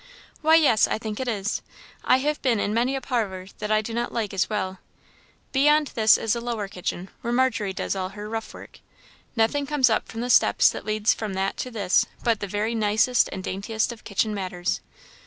"Why, yes I think it is. I have been in many a parlour that I do not like as well. Beyond this is a lower kitchen, where Margery does all her rough work; nothing comes up the steps that lead from that to this but the very nicest and daintiest of kitchen matters.